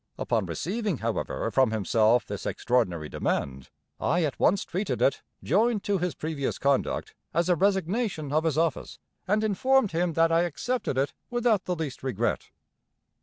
Upon receiving, however, from himself this extraordinary demand, I at once treated it, joined to his previous conduct, as a resignation of his office, and informed him that I accepted it without the least regret.